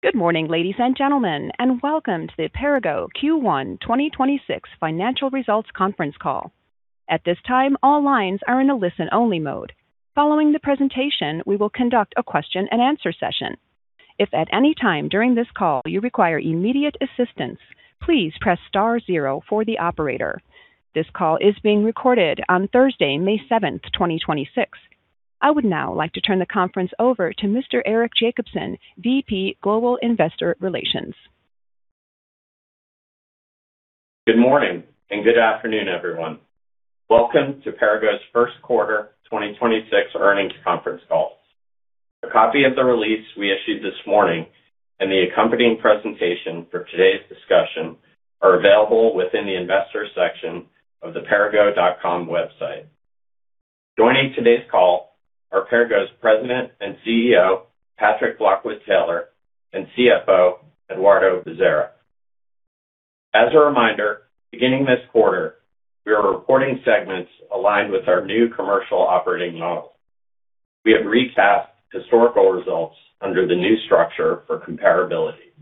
Good morning, ladies and gentlemen, and welcome to the Perrigo Q1 2026 financial results conference call. At this time, all lines are in a listen-only mode. Following the presentation, we will conduct a question-and-answer session. If at any time during this call you require immediate assistance, please press star zero for the operator. This call is being recorded on Thursday, May 7, 2026. I would now like to turn the conference over to Mr. Eric Jacobson, VP, Global Investor Relations. Good morning and good afternoon, everyone. Welcome to Perrigo's first quarter 2026 earnings conference call. A copy of the release we issued this morning and the accompanying presentation for today's discussion are available within the investor section of the perrigo.com website. Joining today's call are Perrigo's President and CEO, Patrick Lockwood-Taylor, and CFO, Eduardo Bezerra. As a reminder, beginning this quarter, we are reporting segments aligned with our new commercial operating model. We have recapped historical results under the new structure for comparability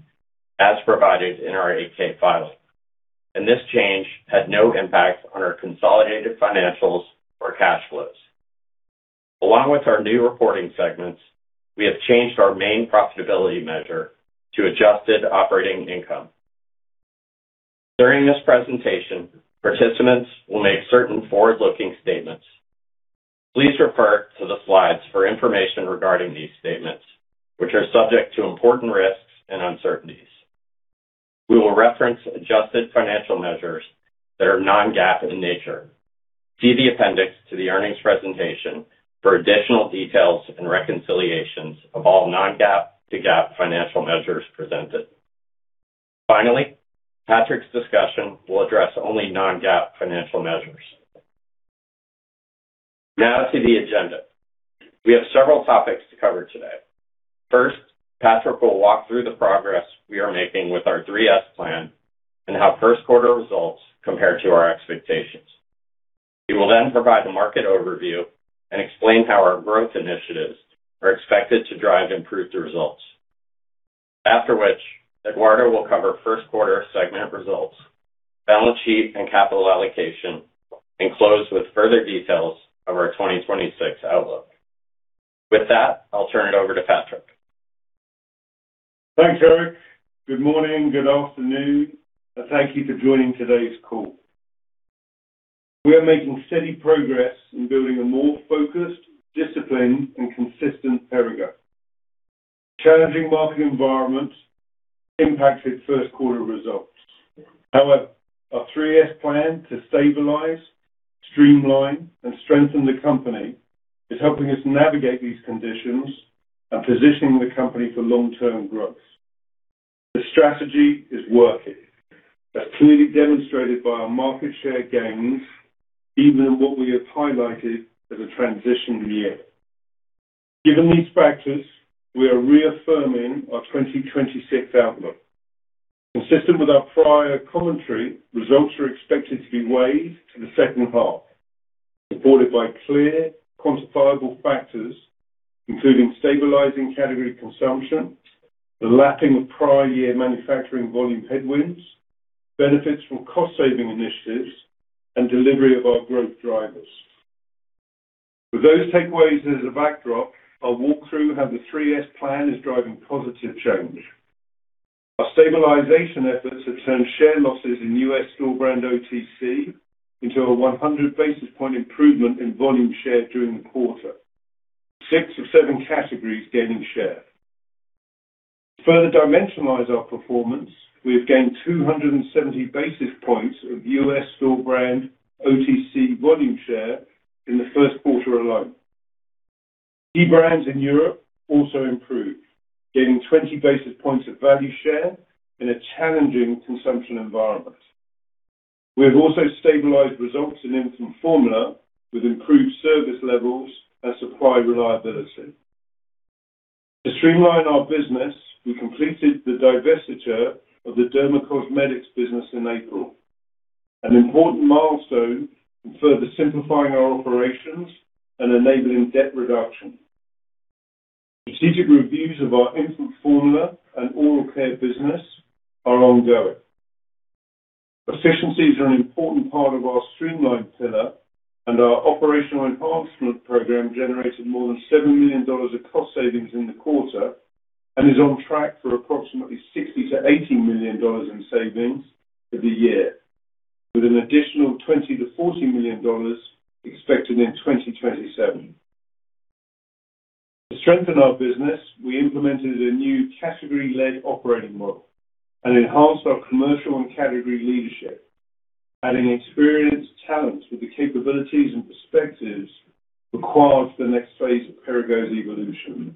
as provided in our 8-K filing, and this change had no impact on our consolidated financials or cash flows. Along with our new reporting segments, we have changed our main profitability measure to adjusted operating income. During this presentation, participants will make certain forward-looking statements. Please refer to the slides for information regarding these statements, which are subject to important risks and uncertainties. We will reference adjusted financial measures that are non-GAAP in nature. See the appendix to the earnings presentation for additional details and reconciliations of all non-GAAP to GAAP financial measures presented. Finally, Patrick's discussion will address only non-GAAP financial measures. Now to the agenda. We have several topics to cover today. First, Patrick will walk through the progress we are making with our Three-S plan and how first quarter results compare to our expectations. He will then provide the market overview and explain how our growth initiatives are expected to drive improved results. After which, Eduardo will cover first quarter segment results, balance sheet, and capital allocation, and close with further details of our 2026 outlook. With that, I'll turn it over to Patrick. Thanks, Eric. Good morning, good afternoon, and thank you for joining today's call. We are making steady progress in building a more focused, disciplined, and consistent Perrigo. Challenging market environments impacted first quarter results. However, our Three-S plan to Stabilize, Streamline, and Strengthen the company is helping us navigate these conditions and positioning the company for long-term growth. The strategy is working. That's clearly demonstrated by our market share gains, even in what we have highlighted as a transition year. Given these factors, we are reaffirming our 2026 outlook. Consistent with our prior commentary, results are expected to be weighed to the second half. Supported by clear quantifiable factors, including stabilizing category consumption, the lapping of prior year manufacturing volume headwinds, benefits from cost-saving initiatives, and delivery of our growth drivers. With those takeaways as a backdrop, I'll walk through how the Three-S plan is driving positive change. Our Stabilization efforts have turned share losses in U.S. store brand OTC into a 100 basis point improvement in volume share during the quarter, six of seven categories gaining share. To further dimensionalize our performance, we have gained 270 basis points of U.S. store brand OTC volume share in the first quarter alone. Key brands in Europe also improved, gaining 20 basis points of value share in a challenging consumption environment. We have also stabilized results in infant formula with improved service levels and supply reliability. To streamline our business, we completed the divestiture of the dermacosmetics business in April. An important milestone in further simplifying our operations and enabling debt reduction. Strategic reviews of our infant formula and oral care business are ongoing. Efficiencies are an important part of our Streamline pillar, and our Operational Enhancement Program generated more than $7 million of cost savings in the quarter and is on track for approximately $60 million-$80 million in savings for the year, with an additional $20 million-$40 million expected in 2027. To strengthen our business, we implemented a new category-led operating model and enhanced our commercial and category leadership, adding experienced talent with the capabilities and perspectives required for the next phase of Perrigo's evolution.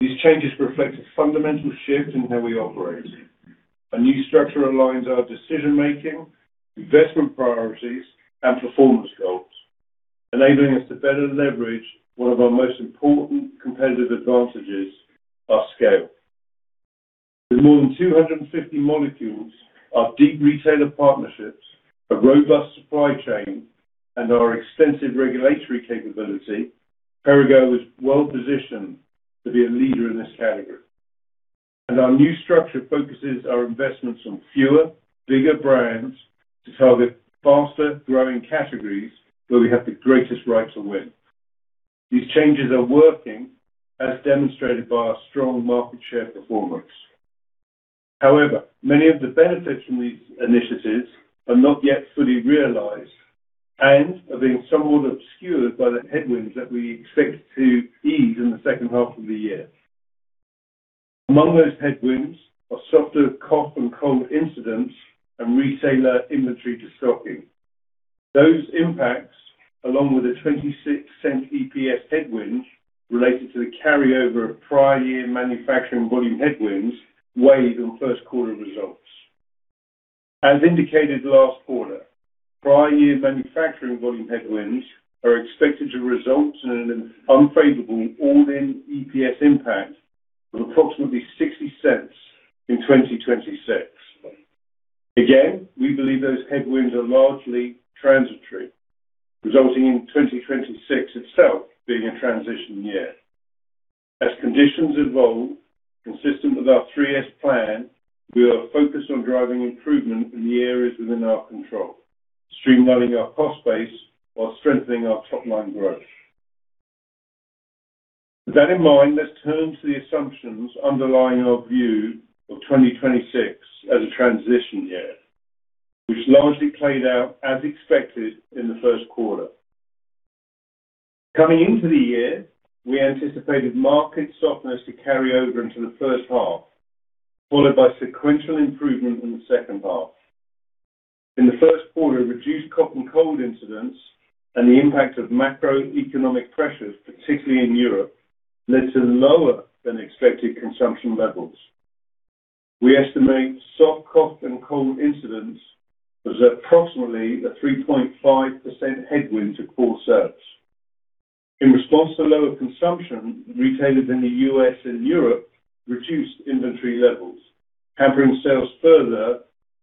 These changes reflect a fundamental shift in how we operate. A new structure aligns our decision-making, investment priorities, and performance goals, enabling us to better leverage one of our most important competitive advantages, our scale. With more than 250 molecules, our deep retailer partnerships, a robust supply chain, and our extensive regulatory capability, Perrigo is well positioned to be a leader in this category. And our new structure focuses our investments on fewer, bigger brands to target faster growing categories where we have the greatest right to win. These changes are working, as demonstrated by our strong market share performance. However, many of the benefits from these initiatives are not yet fully realized and are being somewhat obscured by the headwinds that we expect to ease in the second half of the year. Among those headwinds are milder cough and cold incidence and retailer inventory de-stocking. Those impacts, along with a $0.26 EPS headwind related to the carryover of prior year manufacturing volume headwinds, weighed on first quarter results. As indicated last quarter, prior year manufacturing volume headwinds are expected to result in an unfavorable all-in EPS impact of approximately $0.60 in 2026. We believe those headwinds are largely transitory, resulting in 2026 itself being a transition year. As conditions evolve, consistent with our Three-S plan, we are focused on driving improvement in the areas within our control, streamlining our cost base while strengthening our top line growth. With that in mind, let's turn to the assumptions underlying our view of 2026 as a transition year. Which largely played out as expected in the first quarter. Coming into the year, we anticipated market softness to carry over into the first half, followed by sequential improvement in the second half. In the first quarter, reduced cough and cold incidents and the impact of macroeconomic pressures, particularly in Europe, led to lower than expected consumption levels. We estimate soft cough and cold incidents was approximately a 3.5% headwind to core sales. In response to lower consumption, retailers in the U.S. and Europe reduced inventory levels, hampering sales further,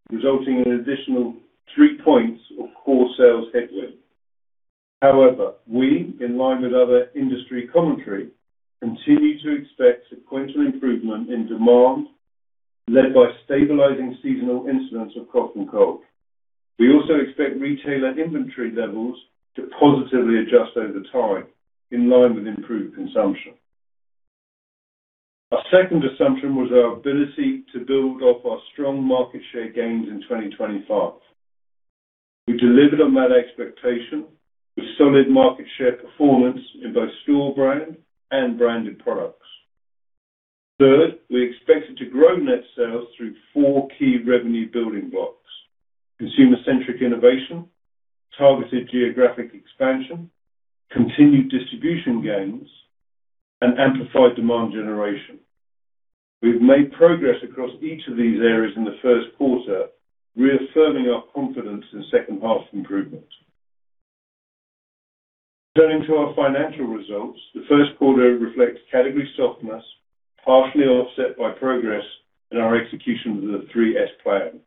resulting in additional 3 points of core sales headwind. However, we, in line with other industry commentary, continue to expect sequential improvement in demand led by stabilizing seasonal incidents of cough and cold. We also expect retailer inventory levels to positively adjust over time in line with improved consumption. Our second assumption was our ability to build off our strong market share gains in 2025. We delivered on that expectation with solid market share performance in both store brand and branded products. Third, we expected to grow net sales through four key revenue building blocks: consumer-centric innovation, targeted geographic expansion, continued distribution gains, and amplified demand generation. We've made progress across each of these areas in the first quarter, reaffirming our confidence in second half improvement. Turning to our financial results, the first quarter reflects category softness, partially offset by progress in our execution of the Three-S plan.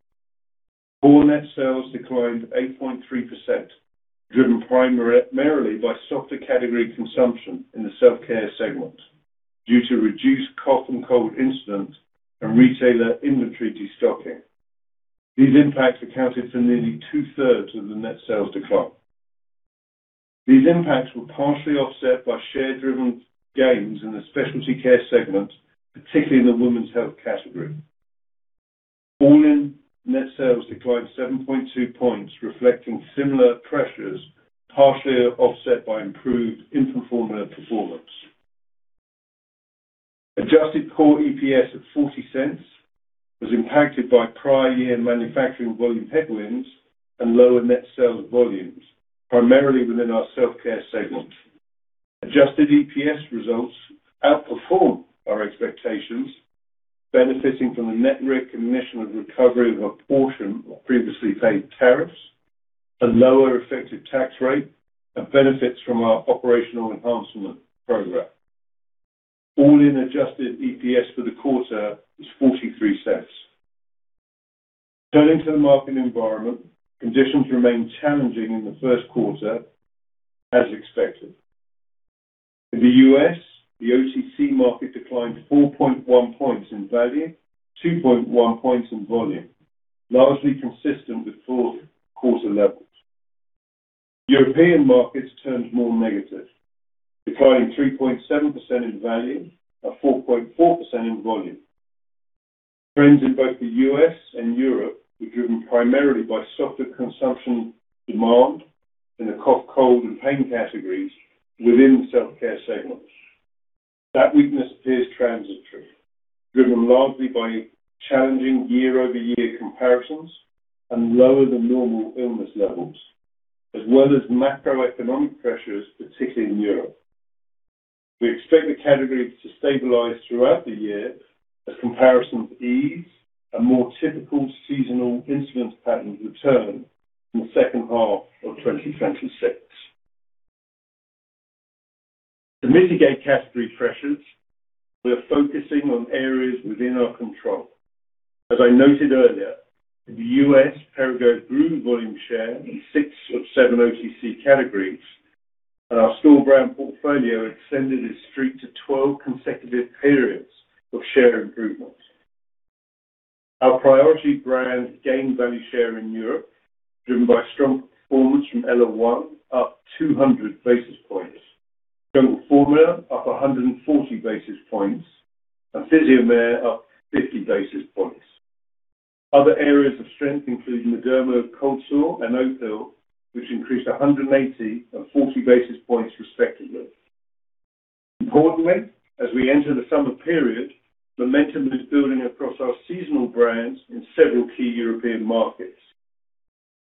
Core net sales declined 8.3%, driven primarily by softer category consumption in the Self-Care segment due to reduced cough and cold incidents and retailer inventory de-stocking. These impacts accounted for nearly 2/3 of the net sales decline. These impacts were partially offset by share-driven gains in the Specialty Care segment, particularly in the women's health category. All-in net sales declined 7.2 points, reflecting similar pressures, partially offset by improved infant formula performance. Adjusted core EPS at $0.40 was impacted by prior year manufacturing volume headwinds and lower net sales volumes, primarily within our Self-Care segment. Adjusted EPS results outperformed our expectations, benefiting from the net recognition of recovery of a portion of previously paid tariffs, a lower effective tax rate, and benefits from our operational enhancement program. All-in adjusted EPS for the quarter is $0.43. Turning to the market environment, conditions remain challenging in the first quarter, as expected. In the U.S., the OTC market declined 4.1 points in value, 2.1 points in volume, largely consistent with fourth quarter levels. European markets turned more negative, declining 3.7% in value and 4.4% in volume. Trends in both the U.S. and Europe were driven primarily by softer consumption demand in the cough, cold, and pain categories within the Self-Care segments. That weakness appears transitory, driven largely by challenging year-over-year comparisons and lower than normal illness levels, as well as macroeconomic pressures, particularly in Europe. We expect the category to stabilize throughout the year as comparisons ease and more typical seasonal incidence patterns return in the second half of 2026. To mitigate category pressures, we are focusing on areas within our control. As I noted earlier, in the U.S., Perrigo grew volume share in six of seven OTC categories, and our store brand portfolio extended its streak to 12 consecutive periods of share improvements. Our priority brands gained value share in Europe, driven by strong performance from ellaOne, up 200 basis points. Jungle Formula up 140 basis points. PHYSIOMER up 50 basis points. Other areas of strength include Mederma Cold Sore, and Opill, which increased 180 and 40 basis points respectively. Importantly, as we enter the summer period, momentum is building across our seasonal brands in several key European markets.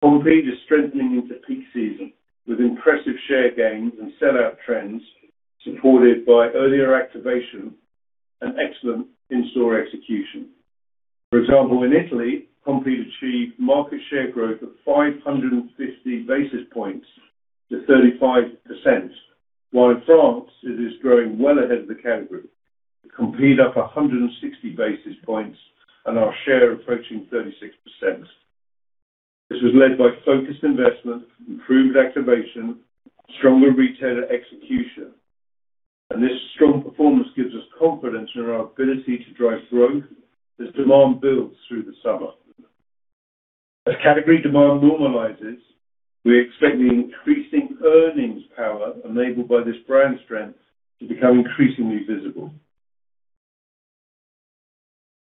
Compeed is strengthening into peak season with impressive share gains and sell-out trends, supported by earlier activation and excellent in-store execution. For example, in Italy, Compeed achieved market share growth of 550 basis points to 35%, while in France, it is growing well ahead of the category. Compeed up 160 basis points and our share approaching 36%. This was led by focused investment, improved activation, stronger retailer execution. This strong performance gives us confidence in our ability to drive growth as demand builds through the summer. As category demand normalizes, we expect the increasing earnings power enabled by this brand strength to become increasingly visible.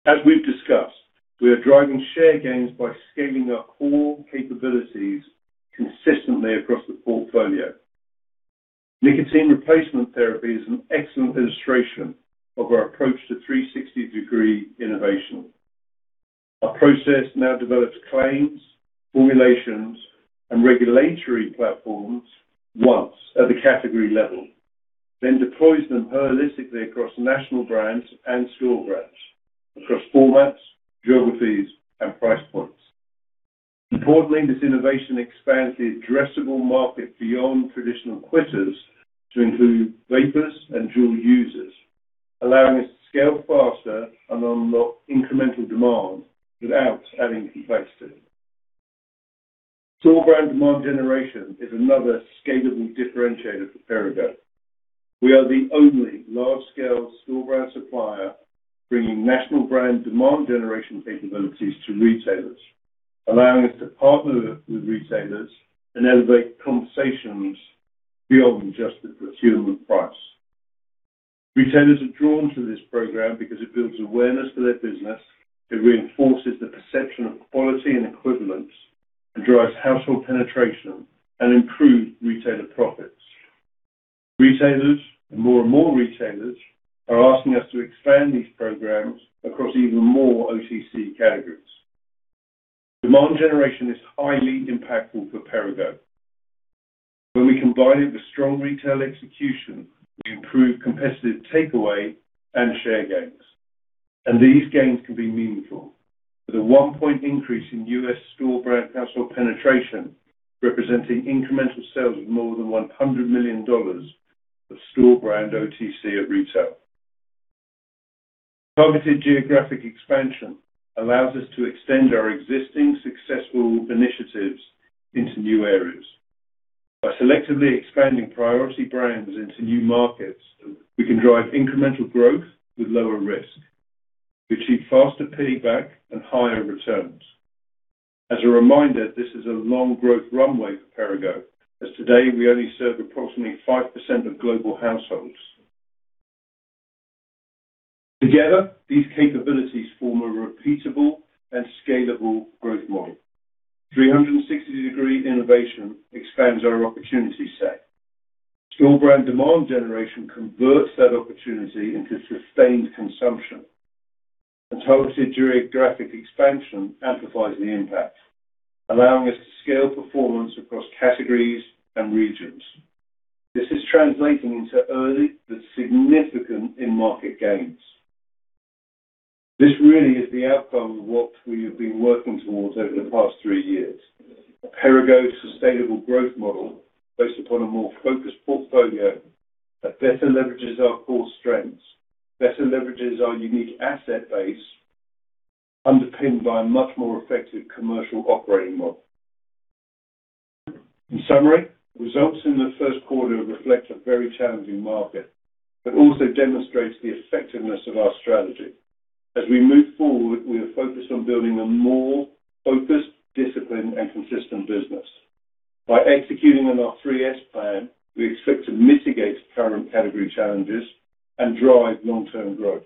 As we've discussed, we are driving share gains by scaling our core capabilities consistently across the portfolio. Nicotine replacement therapy is an excellent illustration of our approach to 360-degree innovation. Our process now develops claims, formulations, and regulatory platforms once at the category level, then deploys them holistically across national brands and store brands, across formats, geographies, and price points. Importantly, this innovation expands the addressable market beyond traditional quitters to include vapers and dual users, allowing us to scale faster and unlock incremental demand without adding complexity. Store brand demand generation is another scalable differentiator for Perrigo. We are the only large-scale store brand supplier bringing national brand demand generation capabilities to retailers, allowing us to partner with retailers and elevate conversations beyond just the procurement price. Retailers are drawn to this program because it builds awareness for their business. It reinforces the perception of quality and equivalence. It drives household penetration and improved retailer profits. Retailers, and more and more retailers, are asking us to expand these programs across even more OTC categories. Demand generation is highly impactful for Perrigo. When we combine it with strong retail execution, we improve competitive takeaway and share gains. These gains can be meaningful, with a one point increase in U.S. store brand household penetration representing incremental sales of more than $100 million of store brand OTC at retail. Targeted geographic expansion allows us to extend our existing successful initiatives into new areas. By selectively expanding priority brands into new markets, we can drive incremental growth with lower risk, achieve faster payback, and higher returns. As a reminder, this is a long growth runway for Perrigo, as today we only serve approximately 5% of global households. Together, these capabilities form a repeatable and scalable growth model. 360-degree innovation expands our opportunity set. Store brand demand generation converts that opportunity into sustained consumption. Targeted geographic expansion amplifies the impact, allowing us to scale performance across categories and regions. This is translating into early but significant in-market gains. This really is the outcome of what we have been working towards over the past three years. A Perrigo sustainable growth model based upon a more focused portfolio that better leverages our core strengths, better leverages our unique asset base, underpinned by a much more effective commercial operating model. In summary, results in the first quarter reflect a very challenging market, but also demonstrates the effectiveness of our strategy. As we move forward, we are focused on building a more focused, disciplined, and consistent business. By executing on our Three-S plan, we expect to mitigate current category challenges and drive long-term growth.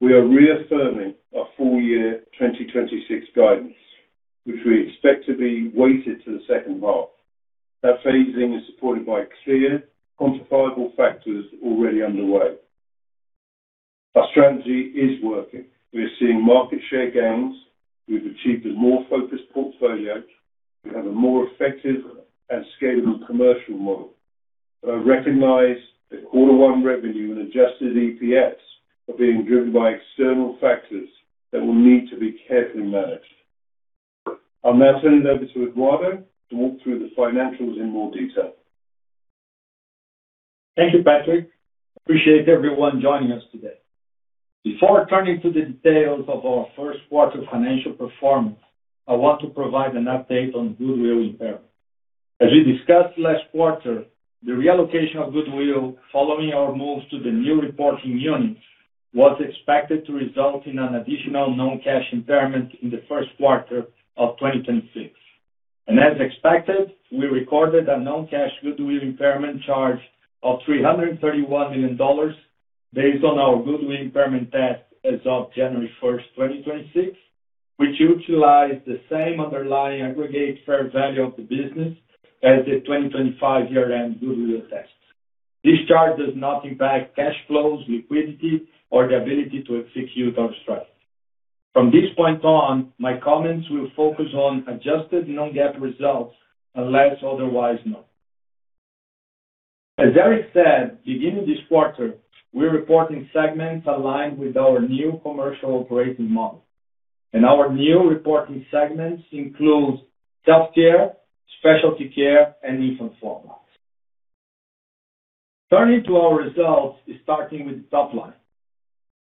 We are reaffirming our full year 2026 guidance, which we expect to be weighted to the second half. That phasing is supported by clear, quantifiable factors already underway. Our strategy is working. We are seeing market share gains. We've achieved a more focused portfolio. We have a more effective and scalable commercial model. I recognize that quarter 1 revenue and adjusted EPS are being driven by external factors that will need to be carefully managed. I'll now turn it over to Eduardo to walk through the financials in more detail. Thank you, Patrick. Appreciate everyone joining us today. Before turning to the details of our first quarter financial performance, I want to provide an update on goodwill impairment. As we discussed last quarter, the reallocation of goodwill following our move to the new reporting units was expected to result in an additional non-cash impairment in the first quarter of 2026. As expected, we recorded a non-cash goodwill impairment charge of $331 million based on our goodwill impairment test as of January first, 2026, which utilized the same underlying aggregate fair value of the business as the 2025 year-end goodwill test. This charge does not impact cash flows, liquidity, or the ability to execute our strategy. From this point on, my comments will focus on adjusted non-GAAP results unless otherwise noted. As Eric said, beginning this quarter, we're reporting segments aligned with our new commercial operating model, and our new reporting segments include Self-Care, Specialty Care, and Infant Formula. Turning to our results, starting with the top line.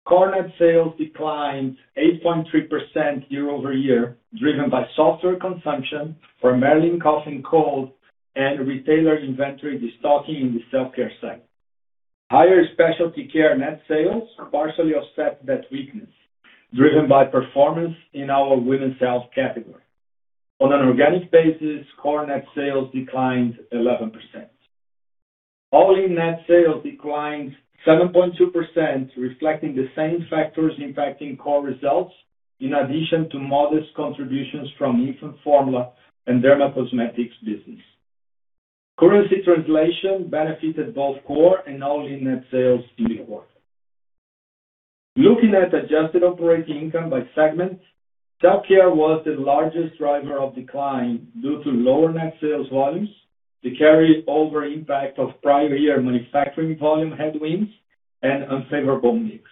Core net sales declined 8.3% year-over-year, driven by softer consumption from milder cough and cold and retailer inventory destocking in the Self-Care segment. Higher Specialty Care net sales partially offset that weakness, driven by performance in our women's health category. On an organic basis, core net sales declined 11%. All-in net sales declined 7.2%, reflecting the same factors impacting core results in addition to modest contributions from Infant Formula and dermacosmetics business. Currency translation benefited both core and all-in net sales in the quarter. Looking at adjusted operating income by segment, Self-Care was the largest driver of decline due to lower net sales volumes, the carryover impact of prior year manufacturing volume headwinds, and unfavorable mix.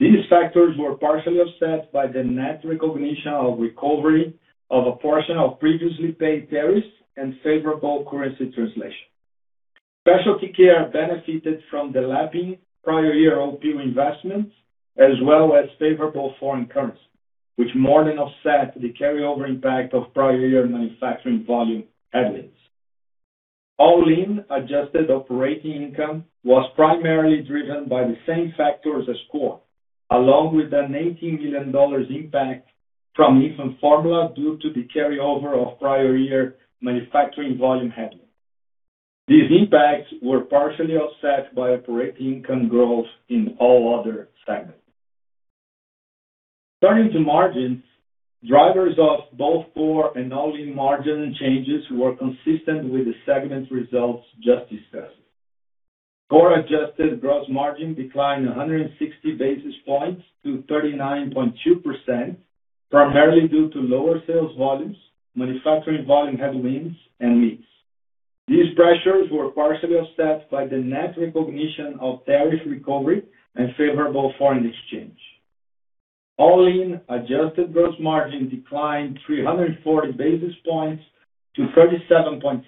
These factors were partially offset by the net recognition of recovery of a portion of previously paid tariffs and favorable currency translation. Specialty Care benefited from the lapping prior year OpEx investments as well as favorable foreign currency, which more than offset the carryover impact of prior year manufacturing volume headwinds. All-in adjusted operating income was primarily driven by the same factors as core, along with a $18 million impact from infant formula due to the carryover of prior year manufacturing volume headwinds. These impacts were partially offset by operating income growth in all other segments. Turning to margins, drivers of both core and all-in margin changes were consistent with the segment results just discussed. Core adjusted gross margin declined 160 basis points to 39.2%, primarily due to lower sales volumes, manufacturing volume headwinds, and mix. These pressures were partially offset by the net recognition of tariff recovery and favorable foreign exchange. All-in adjusted gross margin declined 340 basis points to 37.6%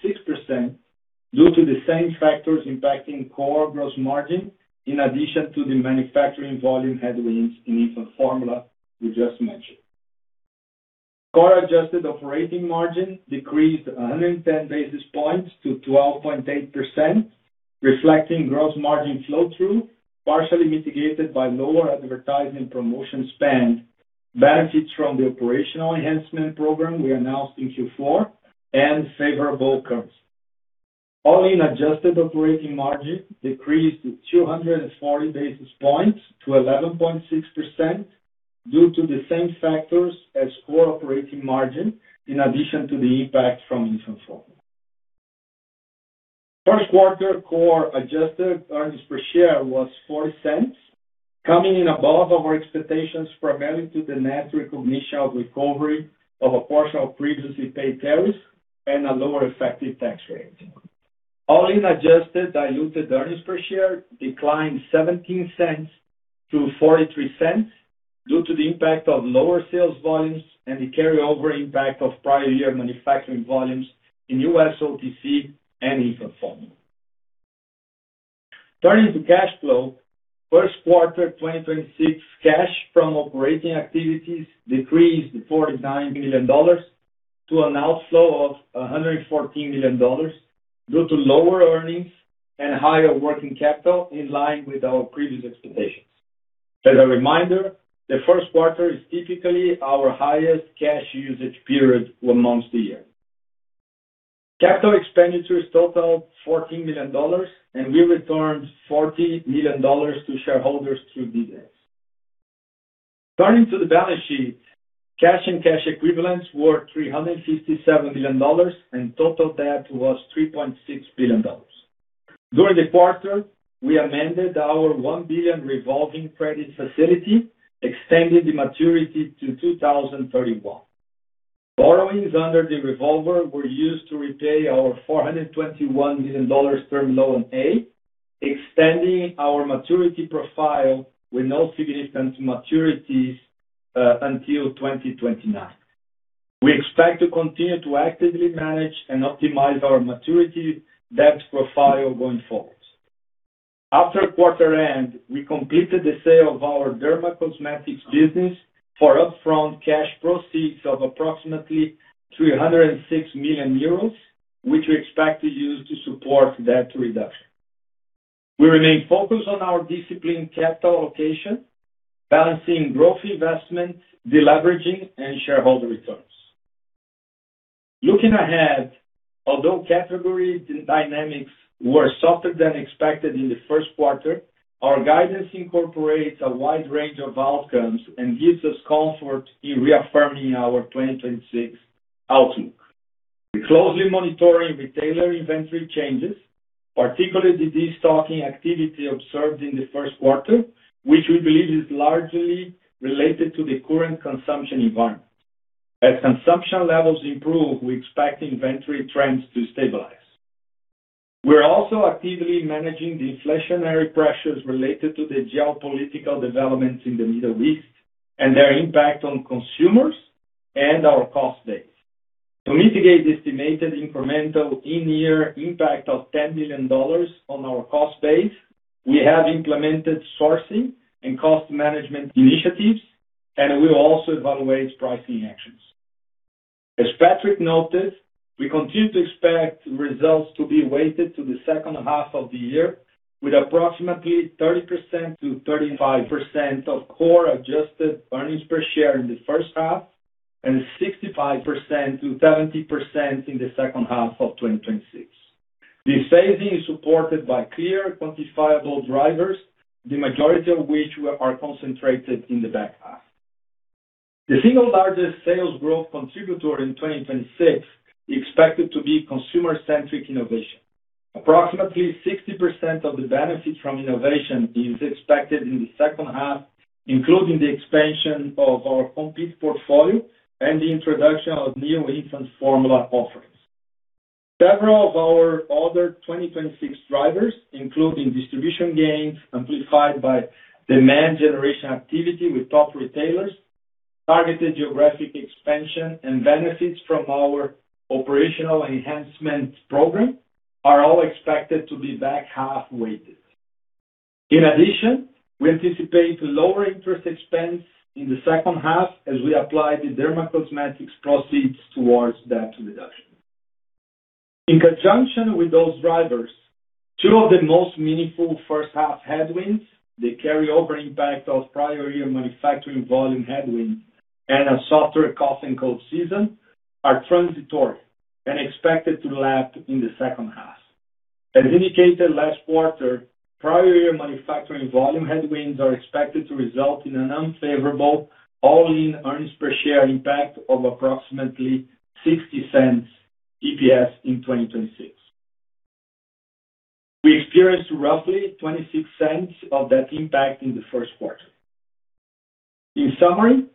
due to the same factors impacting core gross margin in addition to the manufacturing volume headwinds in infant formula we just mentioned. Core adjusted operating margin decreased 110 basis points to 12.8%, reflecting gross margin flow-through, partially mitigated by lower advertising promotion spend, benefits from the operational enhancement program we announced in Q4, and favorable currency. All-in adjusted operating margin decreased 240 basis points to 11.6% due to the same factors as core operating margin in addition to the impact from infant formula. First quarter core adjusted earnings per share was $0.04, coming in above our expectations primarily due to the net recognition of recovery of a portion of previously paid tariffs and a lower effective tax rate. All-in adjusted diluted earnings per share declined $0.17-$0.43 due to the impact of lower sales volumes and the carryover impact of prior year manufacturing volumes in U.S. OTC and infant formula. Turning to cash flow, first quarter 2026 cash from operating activities decreased $49 million to an outflow of $114 million due to lower earnings and higher working capital in line with our previous expectations. As a reminder, the first quarter is typically our highest cash usage period among the year. Capital expenditures totaled $14 million and we returned $40 million to shareholders through dividends. Turning to the balance sheet, cash and cash equivalents were $357 million and total debt was $3.6 billion. During the quarter, we amended our $1 billion revolving credit facility, extending the maturity to 2031. Borrowings under the revolver were used to repay our $421 million term loan A, extending our maturity profile with no significant maturities until 2029. We expect to continue to actively manage and optimize our maturity debt profile going forward. After quarter end, we completed the sale of our dermacosmetics business for upfront cash proceeds of approximately 306 million euros, which we expect to use to support debt reduction. We remain focused on our disciplined capital allocation, balancing growth investment, deleveraging, and shareholder returns. Looking ahead, although category dynamics were softer than expected in the first quarter, our guidance incorporates a wide range of outcomes and gives us comfort in reaffirming our 2026 outlook. We're closely monitoring retailer inventory changes, particularly the destocking activity observed in the first quarter, which we believe is largely related to the current consumption environment. As consumption levels improve, we expect inventory trends to stabilize. We're also actively managing the inflationary pressures related to the geopolitical developments in the Middle East and their impact on consumers and our cost base. To mitigate the estimated incremental in-year impact of $10 million on our cost base, we have implemented sourcing and cost management initiatives, and we'll also evaluate pricing actions. As Patrick noted, we continue to expect results to be weighted to the second half of the year, with approximately 30%-35% of core adjusted earnings per share in the first half and 65%-70% in the second half of 2026. This phasing is supported by clear quantifiable drivers, the majority of which are concentrated in the back half. The single largest sales growth contributor in 2026 is expected to be consumer-centric innovation. Approximately 60% of the benefit from innovation is expected in the second half, including the expansion of our Compeed portfolio and the introduction of new infant formula offerings. Several of our other 2026 drivers, including distribution gains amplified by demand generation activity with top retailers, targeted geographic expansion, and benefits from our operational enhancement program, are all expected to be back-half weighted. In addition, we anticipate lower interest expense in the second half as we apply the dermacosmetics proceeds towards debt reduction. In conjunction with those drivers, two of the most meaningful first half headwinds, the carryover impact of prior year manufacturing volume headwinds and a softer cough and cold season, are transitory and expected to lap in the second half. As indicated last quarter, prior year manufacturing volume headwinds are expected to result in an unfavorable all-in earnings per share impact of approximately $0.60 EPS in 2026. We experienced roughly $0.26 of that impact in the first quarter. In summary,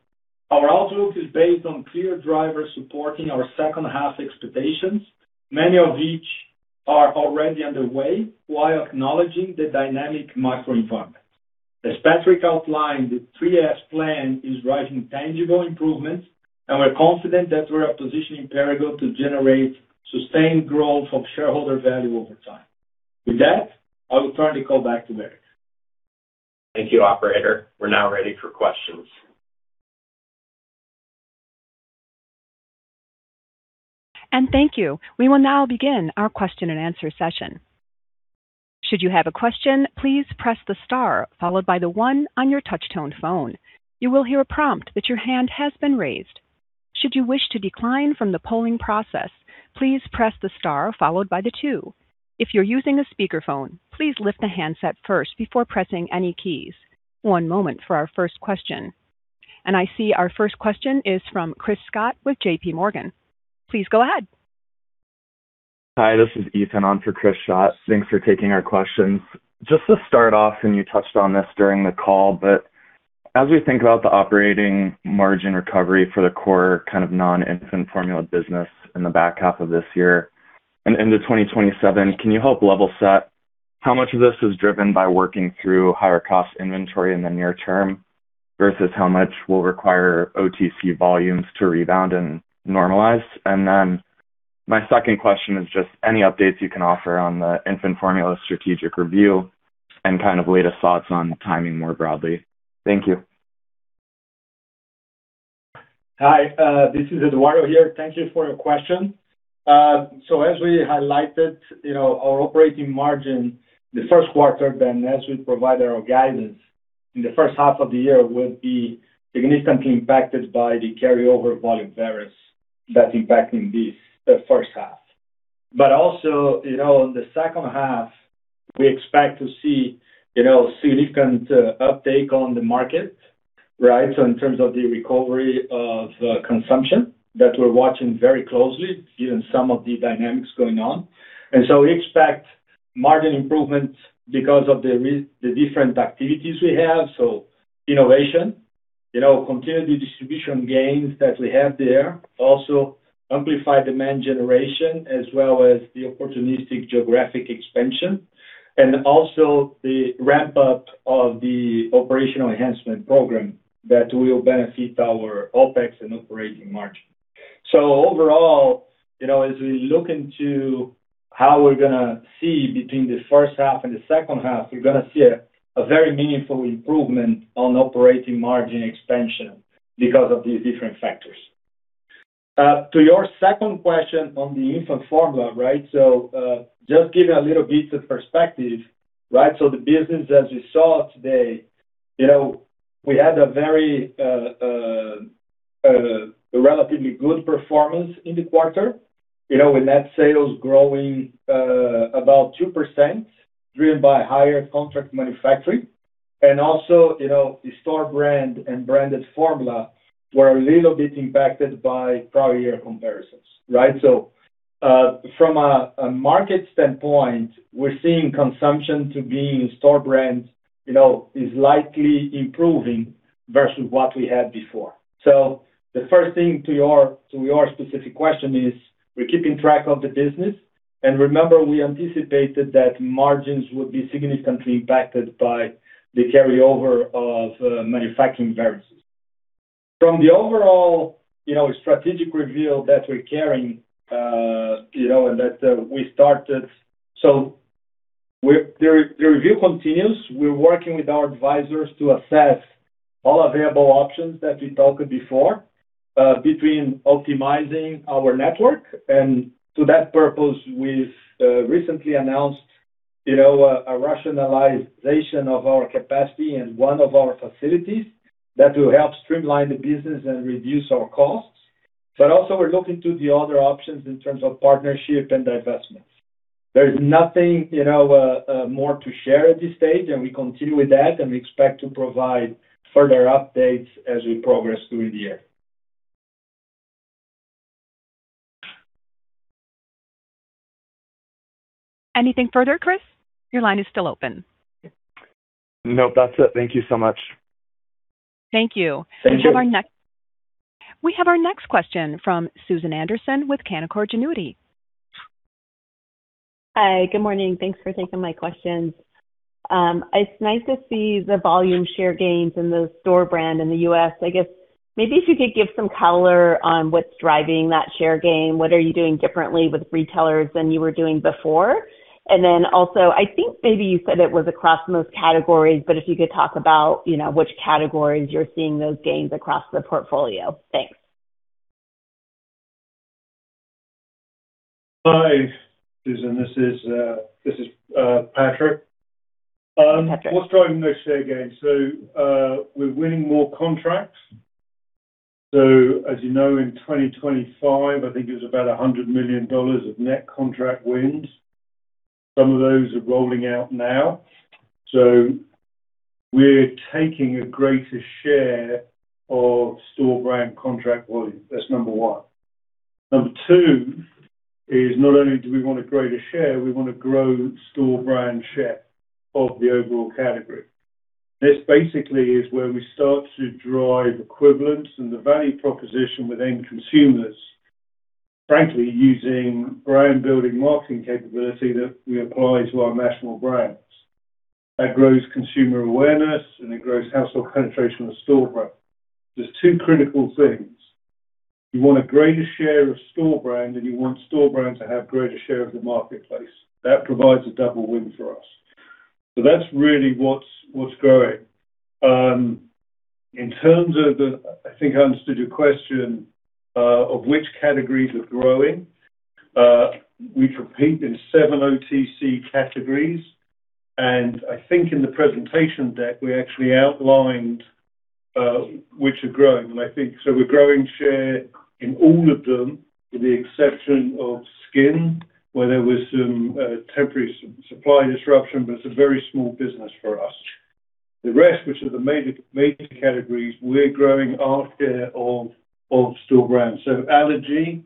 our outlook is based on clear drivers supporting our second half expectations, many of which are already underway while acknowledging the dynamic macro environment. As Patrick outlined, the Three-S plan is driving tangible improvements, and we're confident that we're positioning Perrigo to generate sustained growth of shareholder value over time. With that, I will turn the call back to Eric. Thank you, Operator. We're now ready for questions. Thank you. We will now begin our question and answer session. Should you have a question, please press the star followed by the one on your touch-tone phone. You will hear a prompt that your hand has been raised. Should you wish to decline from the polling process, please press the star followed by the two. If you're using a speakerphone, please lift the handset first before pressing any keys. One moment for our first question. I see our first question is from Chris Schott with JPMorgan. Please go ahead. Hi, this is Ethan Brown on for Chris Schott. Thanks for taking our questions. Just to start off, and you touched on this during the call, but as we think about the operating margin recovery for the core kind of non-infant formula business in the back half of this year and into 2027. Can you help level set how much of this is driven by working through higher cost inventory in the near term versus how much will require OTC volumes to rebound and normalize? Then my second question is just any updates you can offer on the infant formula strategic review and kind of latest thoughts on timing more broadly? Thank you. Hi, this is Eduardo here. Thank you for your question. As we highlighted, you know, our operating margin in the first quarter, then as we provided our guidance in the first half of the year, will be significantly impacted by the carryover volume variance that's impacting the first half. In the second half, we expect to see, you know, significant uptake on the market, right? In terms of the recovery of consumption that we're watching very closely, given some of the dynamics going on. We expect margin improvements because of the different activities we have. Innovation, you know, continued the distribution gains that we have there, also amplify demand generation, as well as the opportunistic geographic expansion, and also the ramp-up of the operational enhancement program that will benefit our OpEx and operating margin. Overall, you know, as we look into how we're gonna see between the first half and the second half, we're gonna see a very meaningful improvement on operating margin expansion because of these different factors. To your second question on the infant formula, right? Just give you a little bit of perspective, right? The business as you saw today, you know, we had a relatively good performance in the quarter. You know, with net sales growing about 2%, driven by higher contract manufacturing. Also, you know, the store brand and branded formula were a little bit impacted by prior year comparisons, right? From a market standpoint, we're seeing consumption, too, being in store brands, you know, is likely improving versus what we had before. The first thing to your specific question is we're keeping track of the business. Remember, we anticipated that margins would be significantly impacted by the carryover of manufacturing variances from the overall, you know, strategic review that we're carrying, you know, and that we started. The review continues. We're working with our advisors to assess all available options that we talked before between optimizing our network. To that purpose, we've recently announced, you know, a rationalization of our capacity in one of our facilities that will help streamline the business and reduce our costs. Also we're looking to the other options in terms of partnership and divestments. There is nothing, you know, more to share at this stage, and we continue with that, and we expect to provide further updates as we progress through the year. Anything further, Ethan? Your line is still open. Nope, that's it. Thank you so much. Thank you. Thank you. We have our next question from Susan Anderson with Canaccord Genuity. Hi, good morning. Thanks for taking my questions. It's nice to see the volume share gains in the store brand in the U.S. I guess maybe if you could give some color on what's driving that share gain, what are you doing differently with retailers than you were doing before? I think maybe you said it was across most categories, but if you could talk about, you know, which categories you're seeing those gains across the portfolio. Thanks. Hi, Susan. This is Patrick. Patrick. What's driving those share gains? We're winning more contracts. As you know, in 2025, I think it was about $100 million of net contract wins. Some of those are rolling out now. We're taking a greater share of store brand contract volume. That's number one. Number two is not only do we want a greater share, we wanna grow store brand share of the overall category. This basically is where we start to drive equivalence and the value proposition with end consumers, frankly, using brand-building marketing capability that we apply to our national brands. That grows consumer awareness, and it grows household penetration of store brand. There's two critical things. You want a greater share of store brand, and you want store brand to have greater share of the marketplace. That provides a double win for us. That's really what's growing. In terms of, I think I understood your question of which categories are growing. We compete in seven OTC categories, and I think in the presentation deck, we actually outlined which are growing. We're growing share in all of them, with the exception of skin, where there was some temporary supply disruption, but it's a very small business for us. The rest, which are the major categories, we're growing our share of store brands. Allergy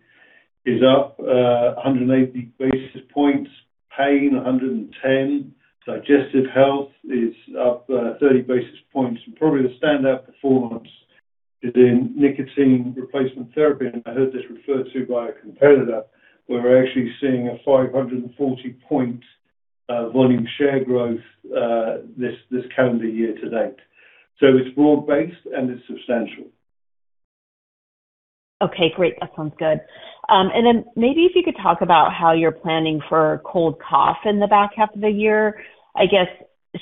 is up 180 basis points. Pain, 110 basis points. Digestive health is up 30 basis points. Probably the standout performance is in nicotine replacement therapy, and I heard this referred to by a competitor, where we're actually seeing a 540-point volume share growth, this calendar year to date. It's broad-based, and it's substantial. Okay, great. That sounds good. Maybe if you could talk about how you're planning for cold and cough in the back half of the year. I guess,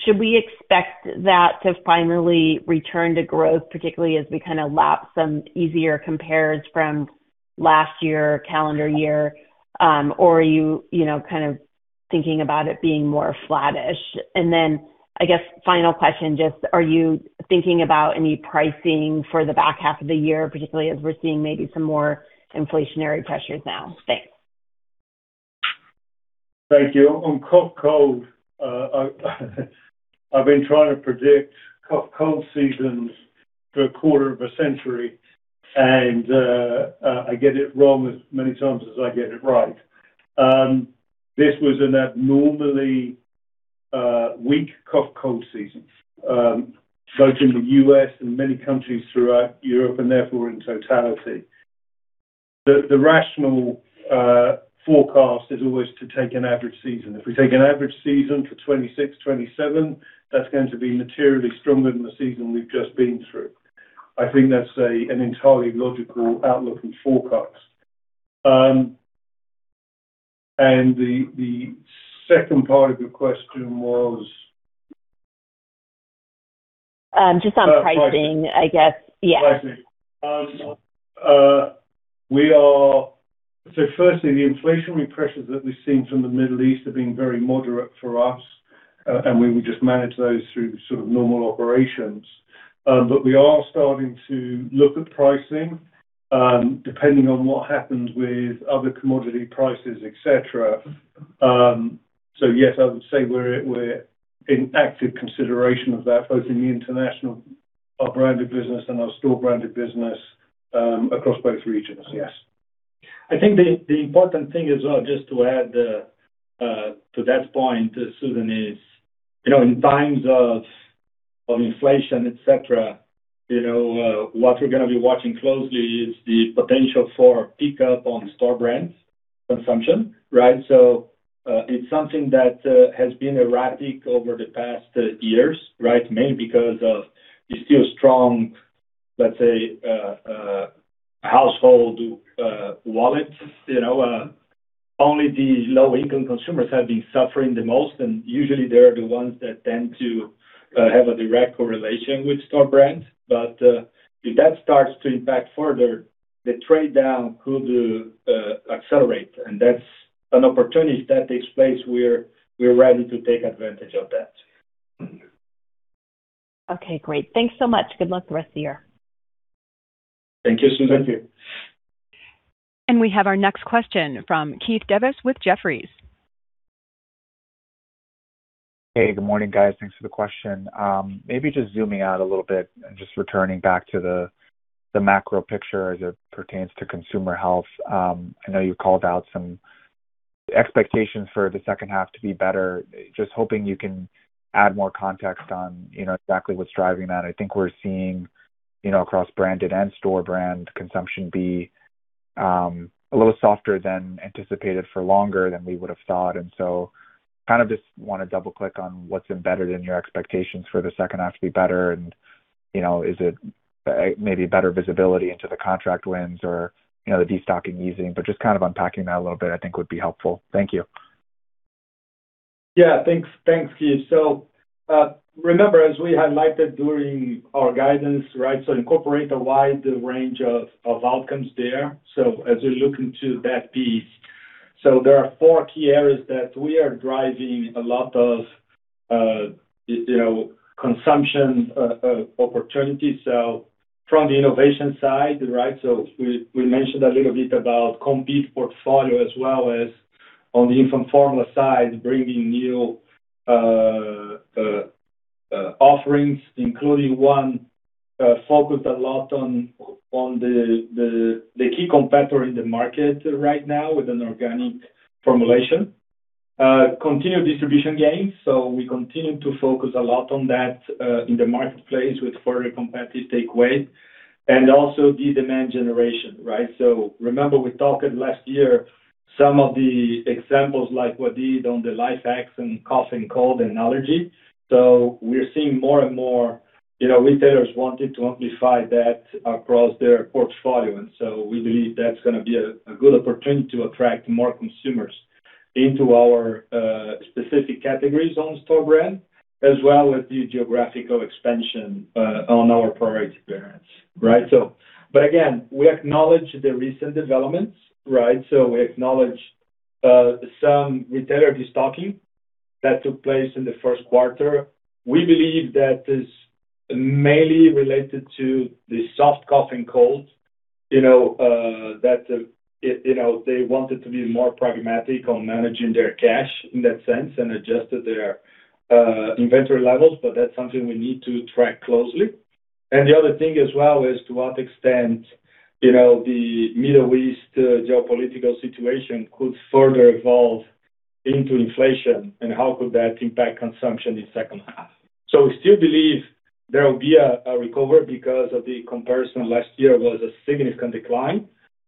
should we expect that to finally return to growth, particularly as we kind of lap some easier compares from last year, calendar year? Are you know, kind of thinking about it being more flattish? I guess final question, just are you thinking about any pricing for the back half of the year, particularly as we're seeing maybe some more inflationary pressures now? Thanks. Thank you. On cough and cold, I've been trying to predict cough and cold seasons for a quarter of a century, and I get it wrong as many times as I get it right. This was an abnormally weak cough and cold season, both in the U.S. and many countries throughout Europe and therefore in totality. The rational forecast is always to take an average season. If we take an average season for 2026, 2027, that's going to be materially stronger than the season we've just been through. I think that's an entirely logical outlook and forecast. And the second part of your question was? Just on pricing, I guess. Yeah. Pricing. Firstly, the inflationary pressures that we've seen from the Middle East have been very moderate for us. We would just manage those through sort of normal operations. We are starting to look at pricing, depending on what happens with other commodity prices, et cetera. Yes, I would say we're in active consideration of that, both in the international, our branded business and our store brand business, across both regions, yes. I think the important thing as well, just to add, to that point, Susan, is, you know, in times of inflation, et cetera, you know, what we're gonna be watching closely is the potential for pickup on store brands consumption, right? It's something that has been erratic over the past years, right? Mainly because of the still strong, let's say, household wallets. You know, only the low-income consumers have been suffering the most, and usually they are the ones that tend to have a direct correlation with store brands. If that starts to impact further, the trade-down could accelerate, and that's an opportunity if that takes place, we're ready to take advantage of that. Okay, great. Thanks so much. Good luck the rest of the year. Thank you, Susan. Thank you. We have our next question from Keith Devas with Jefferies. Hey, good morning, guys. Thanks for the question. Maybe just zooming out a little bit and just returning back to the macro picture as it pertains to consumer health. I know you called out some expectations for the second half to be better. Just hoping you can add more context on, you know, exactly what's driving that. I think we're seeing, you know, across branded and store brand consumption be a little softer than anticipated for longer than we would have thought. Kind of just wanna double-click on what's embedded in your expectations for the second half to be better. You know, is it maybe better visibility into the contract wins or, you know, the destocking easing? Just kind of unpacking that a little bit, I think would be helpful. Thank you. Yeah. Thanks, Keith. Remember, as we highlighted during our guidance, right, incorporate a wide range of outcomes there. As we look into that piece, there are four key areas that we are driving a lot of, you know, consumption opportunities. From the innovation side, right, we mentioned a little bit about Compeed portfolio, as well as on the infant formula side, bringing new offerings, including one focused a lot on the key competitor in the market right now with an organic formulation. Continued distribution gains. We continue to focus a lot on that in the marketplace with further competitive takeaway. Also the demand generation, right? Remember, we talked last year, some of the examples like what we did on the [Life-X] and cough and cold and allergy. We're seeing more and more, you know, retailers wanting to amplify that across their portfolio. We believe that's gonna be a good opportunity to attract more consumers into our specific categories on store brand, as well as the geographical expansion on our private brands, right? But again, we acknowledge the recent developments, right? We acknowledge some retailer destocking that took place in the first quarter. We believe that is mainly related to the milder cough and cold. You know, that, you know, they wanted to be more pragmatic on managing their cash in that sense and adjusted their inventory levels, but that's something we need to track closely. The other thing as well is to what extent, you know, the Middle East geopolitical situation could further evolve into inflation and how could that impact consumption in second half. We still believe there will be a recovery because of the comparison last year was a significant decline,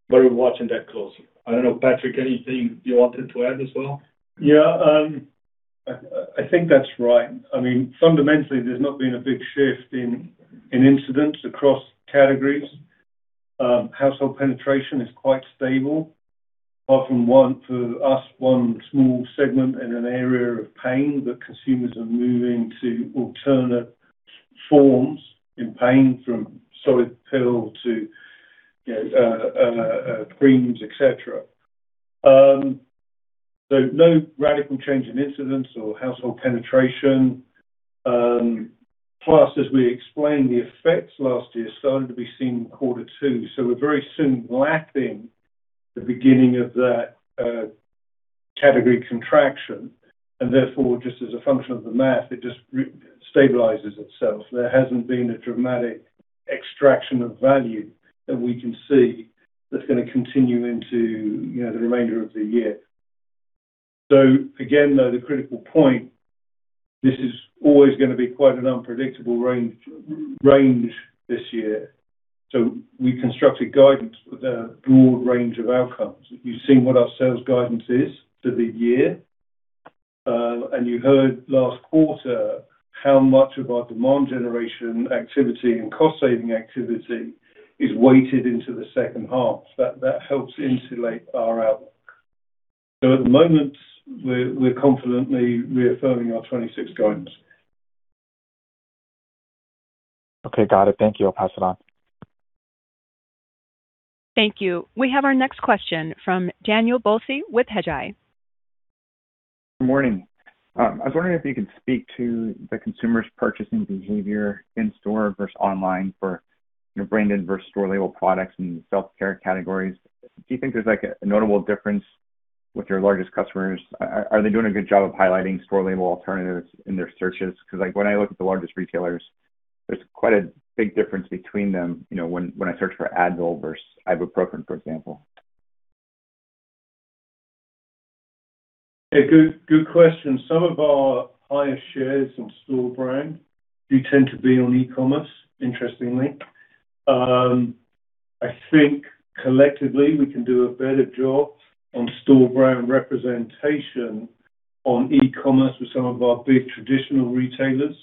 but we're watching that closely. I don't know, Patrick, anything you wanted to add as well? Yeah. I think that's right. I mean, fundamentally, there's not been a big shift in incidents across categories. Household penetration is quite stable, apart from one small segment in an area of pain that consumers are moving to alternate forms in pain from solid pill to creams, et cetera. No radical change in incidents or household penetration. Plus, as we explained, the effects last year started to be seen in quarter two. We're very soon lapping the beginning of that category contraction, and therefore, just as a function of the math, it just stabilizes itself. There hasn't been a dramatic extraction of value that we can see that's gonna continue into, you know, the remainder of the year. Again, though, the critical point, this is always gonna be quite an unpredictable range this year. We constructed guidance with a broad range of outcomes. You've seen what our sales guidance is for the year. You heard last quarter how much of our demand generation activity and cost-saving activity is weighted into the second half. That helps insulate our outlook. At the moment, we're confidently reaffirming our 2026 guidance. Okay. Got it. Thank you. I'll pass it on. Thank you. We have our next question from Daniel Biolsi with Hedgeye. Good morning. I was wondering if you could speak to the consumer's purchasing behavior in store versus online for, you know, branded versus store label products in self-care categories. Do you think there's, like, a notable difference with your largest customers? Are they doing a good job of highlighting store label alternatives in their searches? Because, like, when I look at the largest retailers, there's quite a big difference between them, you know, when I search for Advil versus ibuprofen, for example. Yeah. Good question. Some of our highest shares in store brand do tend to be on e-commerce, interestingly. I think collectively, we can do a better job on store brand representation on e-commerce with some of our big traditional retailers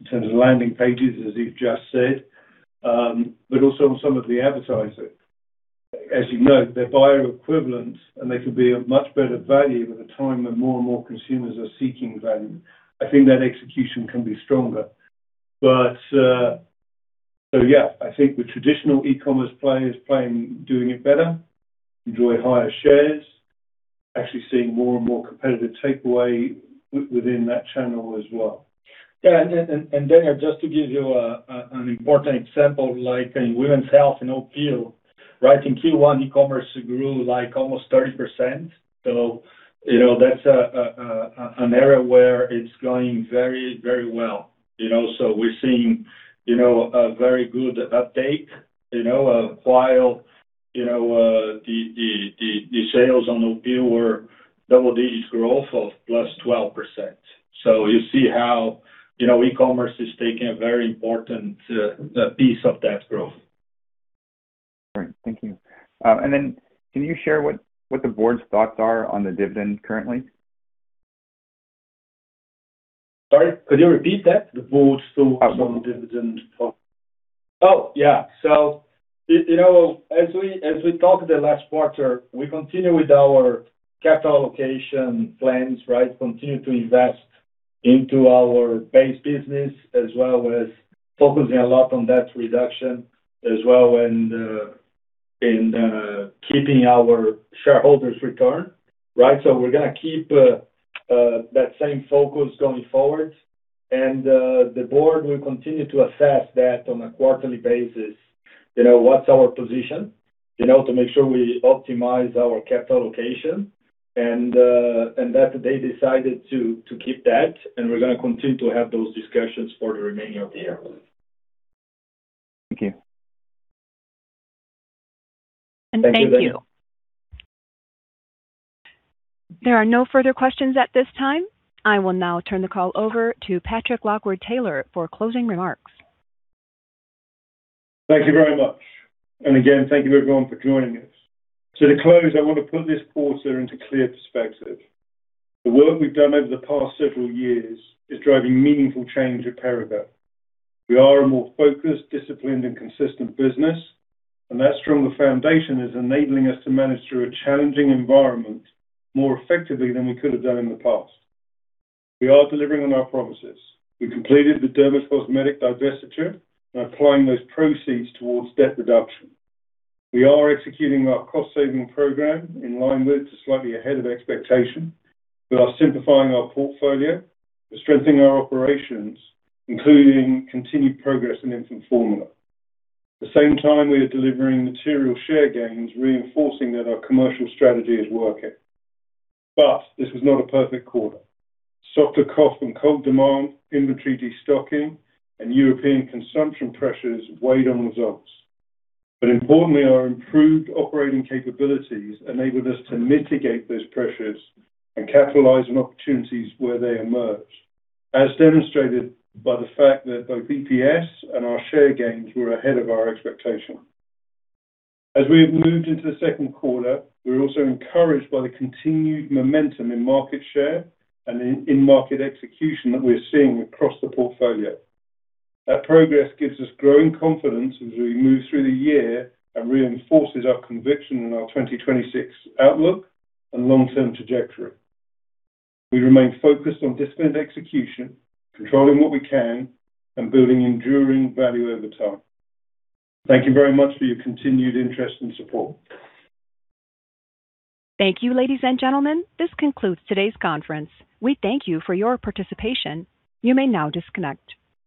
in terms of landing pages, as you've just said, but also on some of the advertisers. As you know, they're bioequivalent, and they can be of much better value at a time when more and more consumers are seeking value. I think that execution can be stronger. Yeah, I think the traditional e-commerce players playing, doing it better, enjoy higher shares. Actually seeing more and more competitive takeaway within that channel as well. Daniel, just to give you an important example, like in women's health and Opill, right? In Q1, e-commerce grew, like, almost 30%. You know, that's an area where it's going very, very well. You know, we're seeing a very good uptake, you know, while the sales on Opill were double-digit growth of +12%. You see how, you know, e-commerce is taking a very important piece of that growth. Great. Thank you. Can you share what the board's thoughts are on the dividend currently? Sorry, could you repeat that? The Board's thoughts on dividend talk. Oh, yeah. You know, as we talked the last quarter, we continue with our capital allocation plans, right? Continue to invest into our base business as well as focusing a lot on debt reduction as well and in keeping our shareholders' return, right? We're gonna keep that same focus going forward. The Board will continue to assess that on a quarterly basis. You know, what's our position? You know, to make sure we optimize our capital allocation and that they decided to keep that, and we're gonna continue to have those discussions for the remainder of the year. Thank you. Thank you. There are no further questions at this time. I will now turn the call over to Patrick Lockwood-Taylor for closing remarks. Thank you very much. Again, thank you everyone for joining us. To close, I want to put this quarter into clear perspective. The work we've done over the past several years is driving meaningful change at Perrigo. We are a more focused, disciplined, and consistent business, and that stronger foundation is enabling us to manage through a challenging environment more effectively than we could have done in the past. We are delivering on our promises. We completed the dermacosmetic divestiture and applying those proceeds towards debt reduction. We are executing our cost-saving program in line with to slightly ahead of expectation. We are simplifying our portfolio. We're strengthening our operations, including continued progress in Infant Formula. At the same time, we are delivering material share gains, reinforcing that our commercial strategy is working. This was not a perfect quarter. Softer cough and cold demand, inventory destocking, and European consumption pressures weighed on results. Importantly, our improved operating capabilities enabled us to mitigate those pressures and capitalize on opportunities where they emerged, as demonstrated by the fact that both EPS and our share gains were ahead of our expectation. As we have moved into the second quarter, we're also encouraged by the continued momentum in market share and in-market execution that we're seeing across the portfolio. That progress gives us growing confidence as we move through the year and reinforces our conviction in our 2026 outlook and long-term trajectory. We remain focused on disciplined execution, controlling what we can, and building enduring value over time. Thank you very much for your continued interest and support. Thank you, ladies and gentlemen. This concludes today's conference. We thank you for your participation. You may now disconnect.